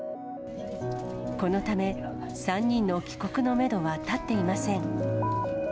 このため、３人の帰国のメドは立っていません。